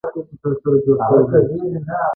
منابع په عمومي ډول په څلور ډوله دي.